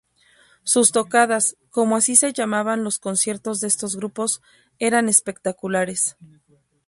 Sus tocadas, como así se llamaban los conciertos de estos grupos, eran espectaculares.